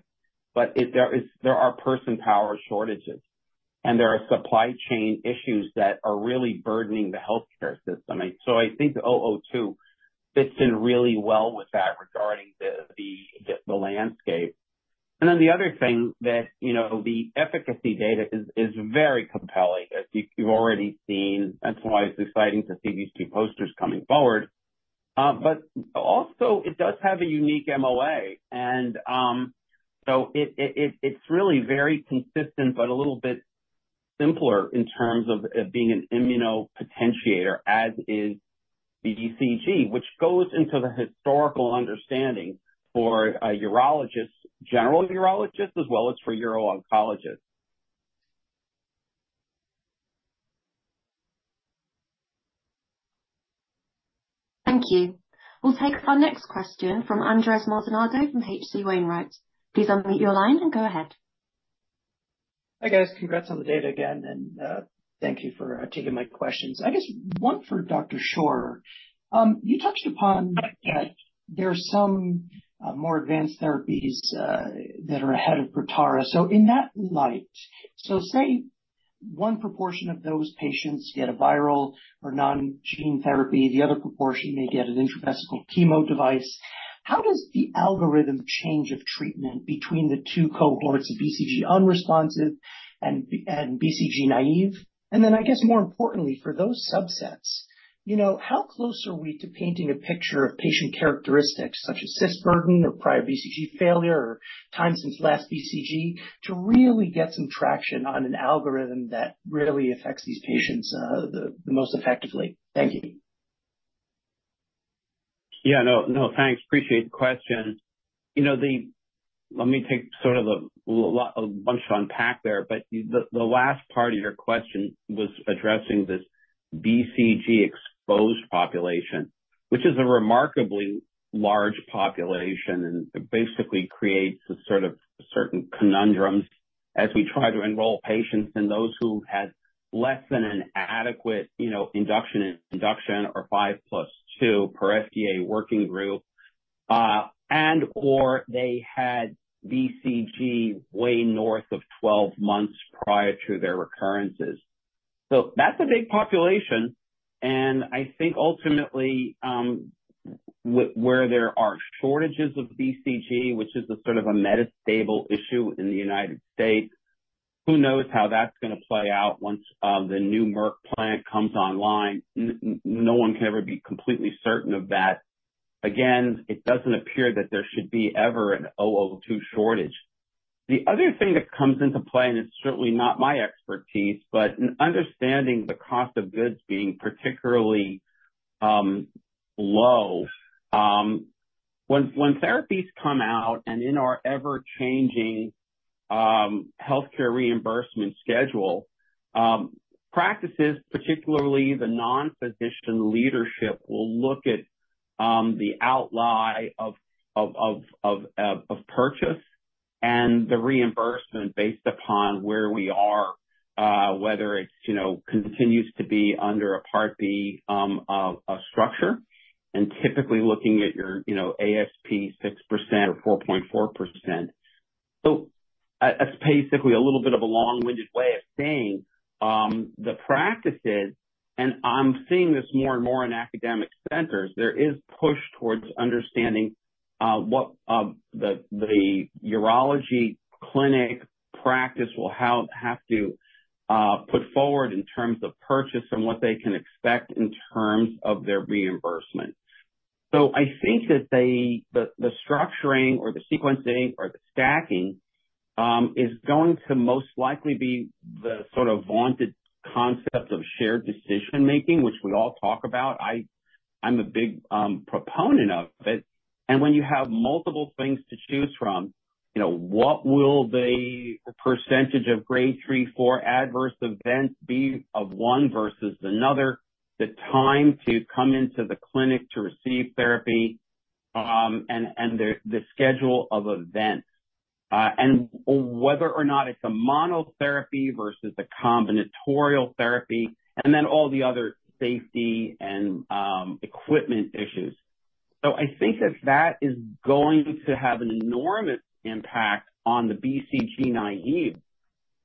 There are person power shortages, and there are supply chain issues that are really burdening the healthcare system. I think TARA-002 fits in really well with that regarding the landscape. The other thing that, you know, the efficacy data is very compelling, as you've already seen. That's why it's exciting to see these two posters coming forward. Also it does have a unique MOA, and it's really very consistent but a little bit simpler in terms of it being an immunopotentiator, as is BCG, which goes into the historical understanding for a urologist, general urologist, as well as for uro-oncologist.
Thank you. We'll take our next question from Andres Maldonado from H.C. Wainwright. Please unmute your line and go ahead.
Hi, guys. Congrats on the data again, thank you for taking my questions. I guess one for Dr. Shore. You touched upon that there are some more advanced therapies that are ahead of Protara. In that light, so say one proportion of those patients get a viral or non-gene therapy, the other proportion may get an intravesical chemo device. How does the algorithm change of treatment between the two cohorts of BCG-unresponsive and BCG-naïve? I guess more importantly, for those subsets, you know, how close are we to painting a picture of patient characteristics such as cyst burden or prior BCG failure, or time since last BCG, to really get some traction on an algorithm that really affects these patients the most effectively? Thank you.
Yeah. No, no, thanks. Appreciate the question. You know, let me take sort of a bunch to unpack there, the last part of your question was addressing this BCG exposed population, which is a remarkably large population and basically creates a sort of certain conundrums as we try to enroll patients and those who had less than an adequate, you know, induction and induction, or five plus two per SDA working group, and/or they had BCG way north of 12 months prior to their recurrences. That's a big population, and I think ultimately, where there are shortages of BCG, which is a sort of a metastable issue in the United States, who knows how that's gonna play out once the new Merck plant comes online. No one can ever be completely certain of that. Again, it doesn't appear that there should be ever a TARA-002 shortage. The other thing that comes into play, and it's certainly not my expertise, but in understanding the cost of goods being particularly low, when therapies come out and in our ever-changing healthcare reimbursement schedule, practices, particularly the non-physician leadership, will look at the outlay of purchase and the reimbursement based upon where we are, whether it's, you know, continues to be under a Part B structure, and typically looking at your, you know, ASP 6% or 4.4%. That's basically a little bit of a long-winded way of saying, the practices, and I'm seeing this more and more in academic centers, there is push towards understanding, what the urology clinic practice will have to put forward in terms of purchase and what they can expect in terms of their reimbursement. I think that the structuring or the sequencing or the stacking is going to most likely be the sort of vaunted concept of shared decision-making, which we all talk about. I'm a big proponent of it, and when you have multiple things to choose from, you know, what will the percentage of grade 3, 4 adverse events be of one versus another? The time to come into the clinic to receive therapy, and the schedule of events, and whether or not it's a monotherapy versus a combinatorial therapy, and then all the other safety and equipment issues. I think that that is going to have an enormous impact on the BCG-naïve.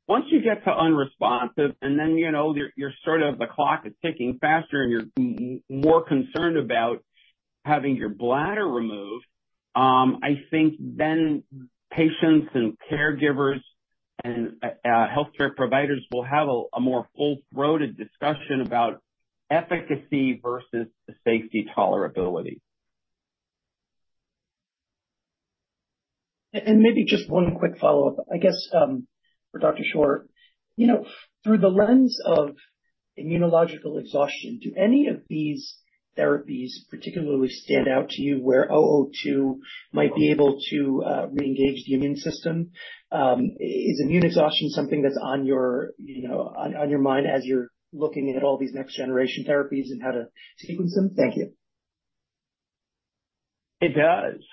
Once you get to unresponsive, and then, you know, you're sort of the clock is ticking faster and you're more concerned about having your bladder removed, I think then patients and caregivers and healthcare providers will have a more full-throated discussion about efficacy versus the safety tolerability.
Maybe just one quick follow-up, I guess, for Dr. Shore. You know, through the lens of immunological exhaustion, do any of these therapies particularly stand out to you where 002 might be able to reengage the immune system? Is immune exhaustion something that's on your, you know, on your mind as you're looking at all these next-generation therapies and how to sequence them? Thank you.
It does.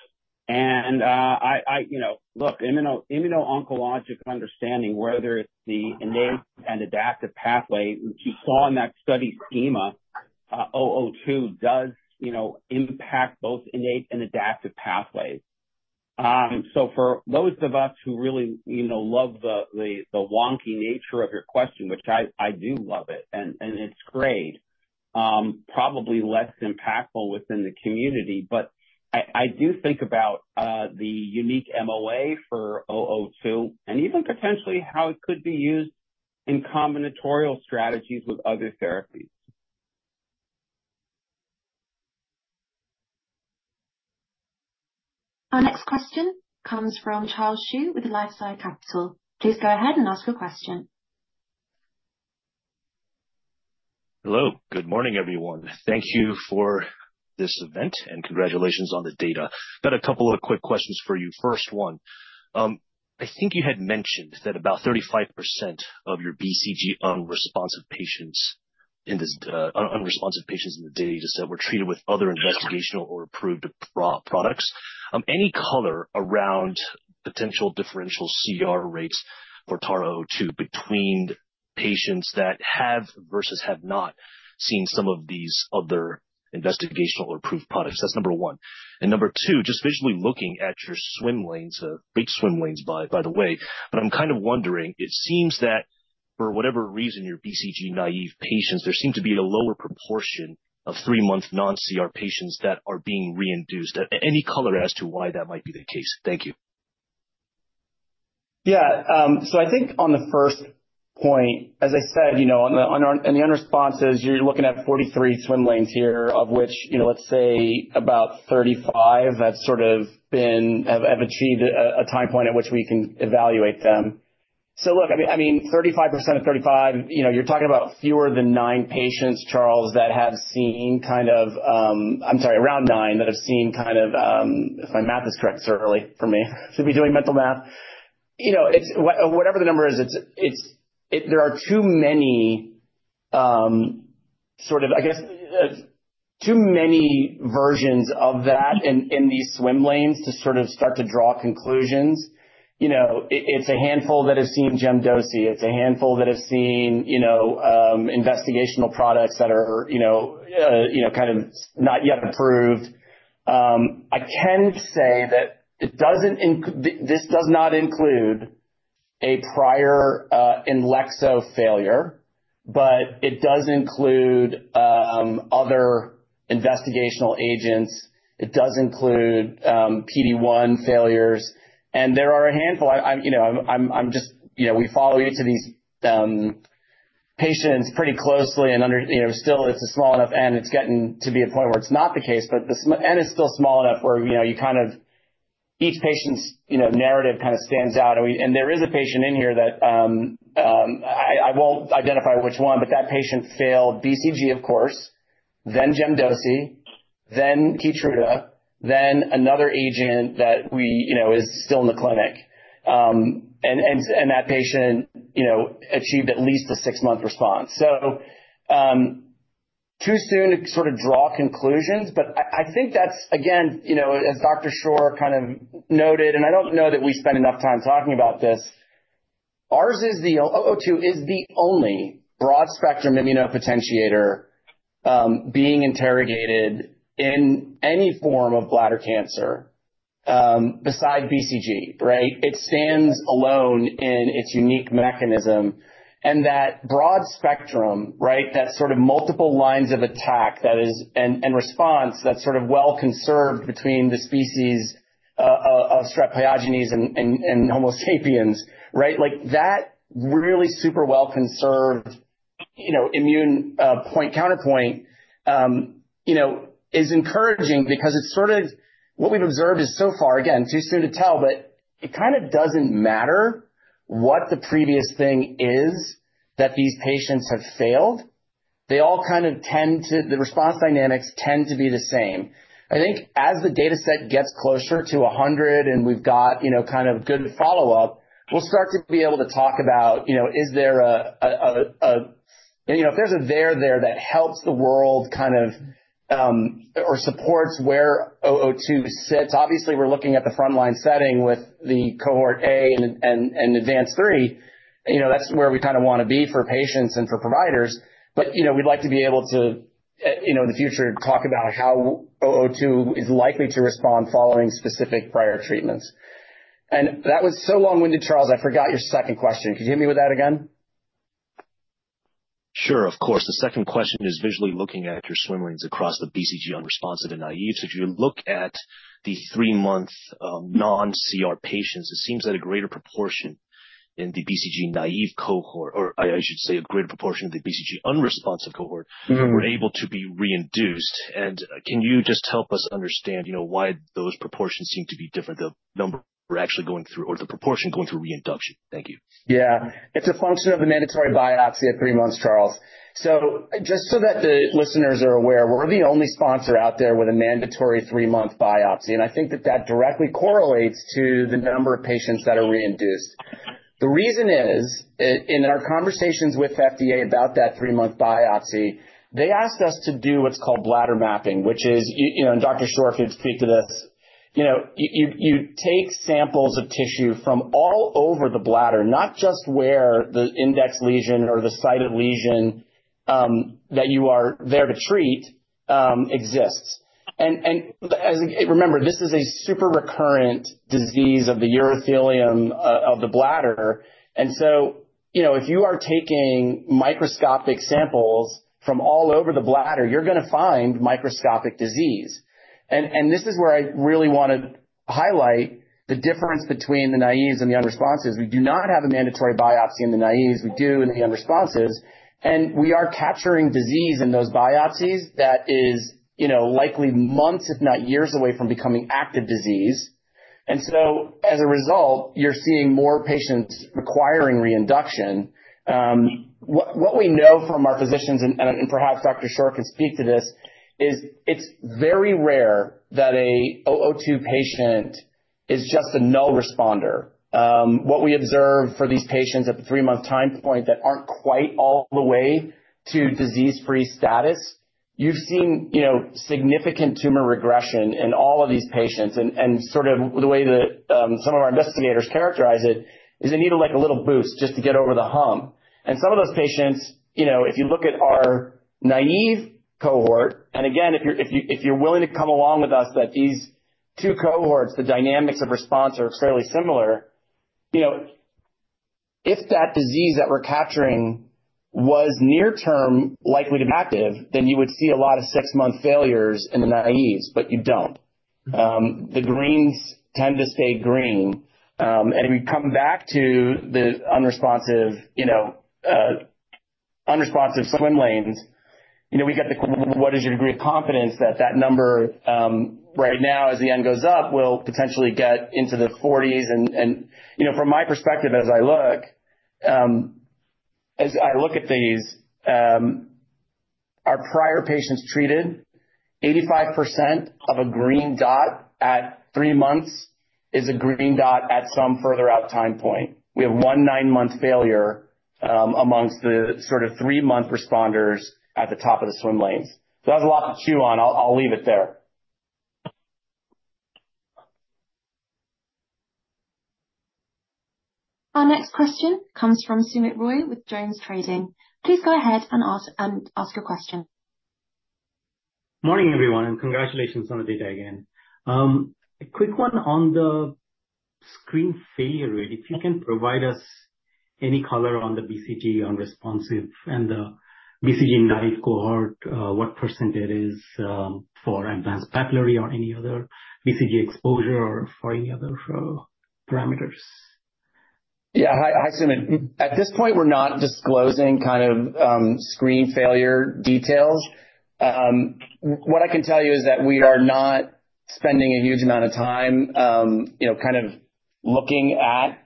You know, look, immuno-oncologic understanding, whether it's the innate and adaptive pathway, which you saw in that study schema, 002, does, you know, impact both innate and adaptive pathways. For those of us who really, you know, love the wonky nature of your question, which I do love it, and it's great, probably less impactful within the community. I do think about the unique MOA for 002 and even potentially how it could be used in combinatorial strategies with other therapies.
Our next question comes from Charles Zhu with LifeSci Capital. Please go ahead and ask your question.
Hello, good morning, everyone. Thank you for this event, congratulations on the data. Got a couple of quick questions for you. First one, I think you had mentioned that about 35% of your BCG-unresponsive patients in this dataset were treated with other investigational or approved products. Any color around potential differential CR rates for TARA-002 between patients that have versus have not seen some of these other investigational or approved products? That's number one. Number two, just visually looking at your swim lanes, big swim lanes, by the way, but I'm kind of wondering, it seems that for whatever reason, your BCG-naïve patients, there seem to be a lower proportion of three-month non-CR patients that are being reinduced. Any color as to why that might be the case? Thank you.
Yeah, I think on the first point, as I said, you know, on the, on our, on the unresponses, you're looking at 43 swim lanes here, of which, you know, let's say about 35 have sort of been achieved a time point at which we can evaluate them. Look, I mean, 35% of 35, you know, you're talking about fewer than nine patients, Charles, that have seen kind of, I'm sorry, around nine, that have seen kind of, if my math is correct, certainly for me, should be doing mental math. You know, whatever the number is, it's, there are too many, sort of, I guess, too many versions of that in these swim lanes to sort of start to draw conclusions. You know, it's a handful that have seen Gemcitabine. It's a handful that have seen, you know, investigational products that are, you know, you know, kind of not yet approved. I can say that it doesn't this does not include a prior, INLEXZO failure, but it does include, other investigational agents. It does include, PD-1 failures, and there are a handful. I'm, you know, I'm just, you know, we follow each of these, patients pretty closely and under, you know, still it's a small enough, N it's getting to be a point where it's not the case, but the N is still small enough where, you know, you kind of each patient's, you know, narrative kind of stands out. There is a patient in here that, I won't identify which one, but that patient failed BCG, of course, then Gemcitabine, then KEYTRUDA, then another agent that we, you know, is still in the clinic. That patient, you know, achieved at least a six-month response. Too soon to sort of draw conclusions, but I think that's, again, you know, as Dr. Shore kind of noted, and I don't know that we spent enough time talking about this, ours is the 002 is the only broad-spectrum immunopotentiator, being interrogated in any form of bladder cancer, besides BCG, right? It stands alone in its unique mechanism and that broad spectrum, right? That sort of multiple lines of attack that is... Response that's sort of well conserved between the species of Streptococcus pyogenes and homo sapiens, right? Like that really super well conserved, you know, immune, point-counterpoint, you know, is encouraging because it's sort of what we've observed is so far, again, too soon to tell, but it kind of doesn't matter what the previous thing is that these patients have failed. They all kind of the response dynamics tend to be the same. I think as the data set gets closer to 100, and we've got, you know, kind of good follow-up, we'll start to be able to talk about, you know, is there a, you know, if there's a there that helps the world kind of, or supports where 002 sits. Obviously, we're looking at the frontline setting with the Cohort A and ADVANCED-3. You know, that's where we kinda wanna be for patients and for providers, but, you know, we'd like to be able to, you know, in the future, talk about how 002 is likely to respond following specific prior treatments. That was so long-winded, Charles, I forgot your second question. Could you hit me with that again?
Sure, of course. The second question is visually looking at your swim lanes across the BCG, unresponsive and naïve. If you look at the three-month non-CR patients, it seems that a greater proportion in the BCG-naïve cohort, or I should say, a greater proportion of the BCG-unresponsive cohort.
Mm-hmm.
Were able to be reinduced. Can you just help us understand, you know, why those proportions seem to be different, the number we're actually going through or the proportion going through reinduction? Thank you.
Yeah. It's a function of a mandatory biopsy at three months, Charles. Just so that the listeners are aware, we're the only sponsor out there with a mandatory three-month biopsy, and I think that that directly correlates to the number of patients that are reinduced. The reason is, in our conversations with FDA about that three-month biopsy, they asked us to do what's called bladder mapping, which is, you know, and Dr. Shore can speak to this. You know, you take samples of tissue from all over the bladder, not just where the index lesion or the sited lesion that you are there to treat, exists. As... Remember, this is a super recurrent disease of the urothelium of the bladder. If you are taking microscopic samples from all over the bladder, you're gonna find microscopic disease. This is where I really want to highlight the difference between the naïves and the unresponsive. We do not have a mandatory biopsy in the naïves, we do in the unresponsive, and we are capturing disease in those biopsies that is, you know, likely months, if not years away from becoming active disease. As a result, you're seeing more patients requiring reinduction. What we know from our physicians, perhaps Dr. Shore can speak to this, is it's very rare that a TARA-002 patient is just a null responder. What we observe for these patients at the three-month time point that aren't quite all the way to disease-free status, you've seen, you know, significant tumor regression in all of these patients. Sort of the way that some of our investigators characterize it, is they need, like, a little boost just to get over the hump. Some of those patients, you know, if you look at our naive cohort, and again, if you're, if you're willing to come along with us, that these two cohorts, the dynamics of response are fairly similar. You know, if that disease that we're capturing was near term, likely to be active, then you would see a lot of six-month failures in the naives, but you don't. The greens tend to stay green, and we come back to the unresponsive, you know, unresponsive swim lanes. You know, we get the, what is your degree of confidence that that number, right now, as the N goes up, will potentially get into the 40s? You know, from my perspective, as I look at these, our prior patients treated, 85% of a green dot at three months is a green dot at some further out time point. We have one nine-month failure, amongst the sort of three-month responders at the top of the swim lanes. That's a lot to chew on. I'll leave it there.
Our next question comes from Swayam Sheth with JonesTrading. Please go ahead and ask your question.
Morning, everyone, and congratulations on the data again. A quick one on the screen failure rate, if you can provide us any color on the BCG-unresponsive and the BCG-naïve cohort, what percentage is for advanced papillary or any other BCG exposure or for any other parameters?
Yeah, hi, Swayam. At this point, we're not disclosing kind of screen failure details. What I can tell you is that we are not spending a huge amount of time, you know, kind of looking at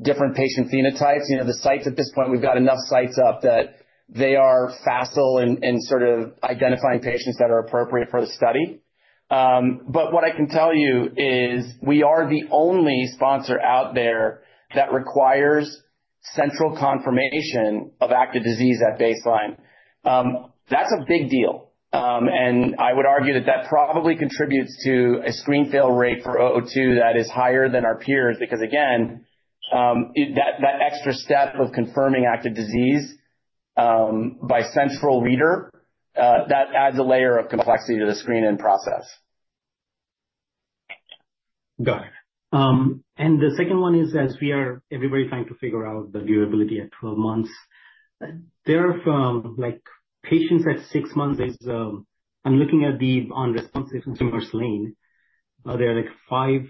different patient phenotypes. You know, the sites at this point, we've got enough sites up that they are facile in sort of identifying patients that are appropriate for the study. What I can tell you is we are the only sponsor out there that requires central confirmation of active disease at baseline. That's a big deal, and I would argue that that probably contributes to a screen fail rate for TARA-002 that is higher than our peers. Again, that extra step of confirming active disease by central reader, that adds a layer of complexity to the screening process.
Got it. The second one is, as we are everybody trying to figure out the durability at 12 months, there are, like, patients at six months. I'm looking at the unresponsive [swimmers] lane. There are, like, five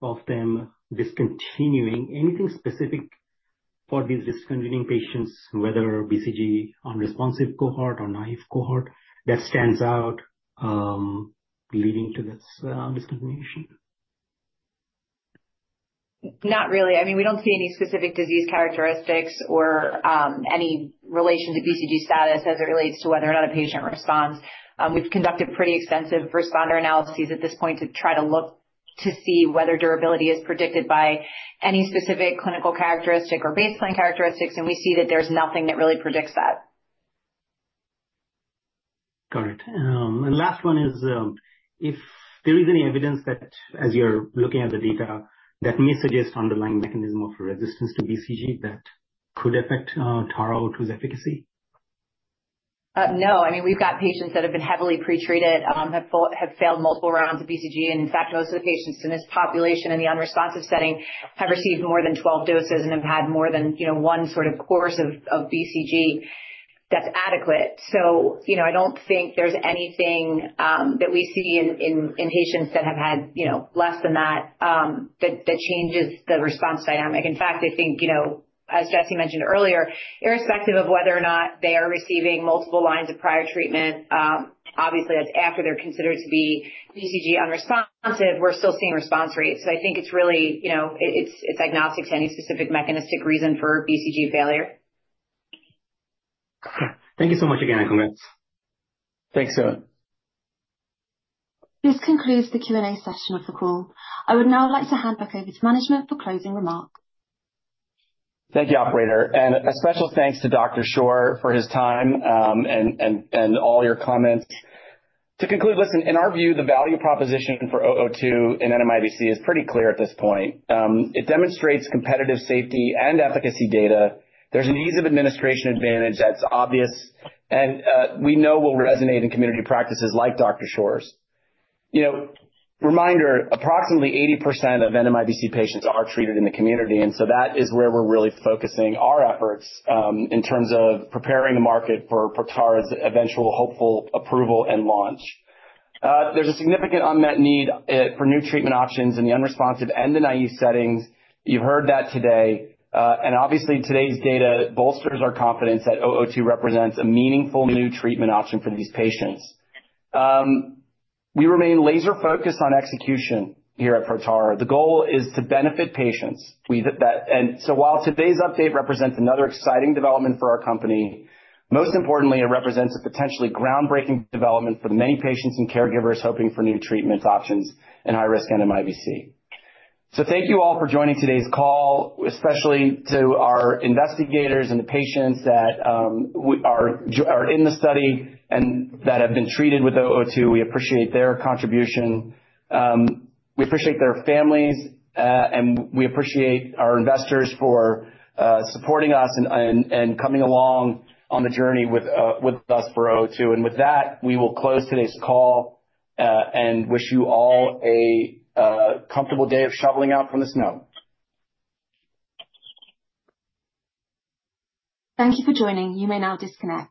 of them discontinuing. Anything specific for these discontinuing patients, whether BCG-unresponsive cohort or BCG-naïve cohort, that stands out, leading to this discontinuation?
Not really. I mean, we don't see any specific disease characteristics or any relation to BCG status as it relates to whether or not a patient responds. We've conducted pretty extensive responder analyses at this point to try to look to see whether durability is predicted by any specific clinical characteristic or baseline characteristics, we see that there's nothing that really predicts that.
Got it. The last one is, if there is any evidence that as you're looking at the data, that may suggest underlying mechanism of resistance to BCG, that could affect TARA-002's efficacy?
No. I mean, we've got patients that have been heavily pretreated, have failed multiple rounds of BCG. In fact, most of the patients in this population in the unresponsive setting have received more than 12 doses and have had more than, you know, one sort of course of BCG that's adequate. I don't think there's anything that we see in patients that have had, you know, less than that changes the response dynamic. In fact, I think, you know, as Jesse mentioned earlier, irrespective of whether or not they are receiving multiple lines of prior treatment, obviously that's after they're considered to be BCG unresponsive, we're still seeing response rates. I think it's really, you know, it's agnostic to any specific mechanistic reason for BCG failure.
Thank you so much again, and congrats.
Thanks, Swayam.
This concludes the Q&A session of the call. I would now like to hand over to management for closing remarks.
Thank you, operator, a special thanks to Dr. Shore for his time, and all your comments. To conclude, listen, in our view, the value proposition for TARA-002 in NMIBC is pretty clear at this point. It demonstrates competitive safety and efficacy data. There's an ease of administration advantage that's obvious and we know will resonate in community practices like Dr. Shore's. You know, reminder, approximately 80% of NMIBC patients are treated in the community, that is where we're really focusing our efforts in terms of preparing the market for Tara's eventual hopeful approval and launch. There's a significant unmet need for new treatment options in the unresponsive and the naïve settings. You've heard that today, obviously, today's data bolsters our confidence that TARA-002 represents a meaningful new treatment option for these patients. We remain laser focused on execution here at Protara. The goal is to benefit patients. While today's update represents another exciting development for our company, most importantly, it represents a potentially groundbreaking development for the many patients and caregivers hoping for new treatment options in high risk NMIBC. Thank you all for joining today's call, especially to our investigators and the patients that are in the study and that have been treated with 002. We appreciate their contribution, we appreciate their families, and we appreciate our investors for supporting us and coming along on the journey with us for 002. With that, we will close today's call and wish you all a comfortable day of shoveling out from the snow.
Thank you for joining. You may now disconnect.